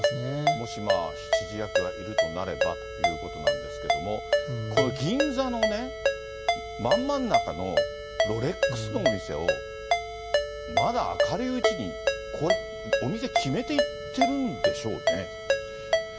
もし指示役がいるとなればということなんですけれども、この銀座のね、まんまん中のロレックスのお店を、まだ明るいうちにこれ、お店決めて行ってるんでしょうね。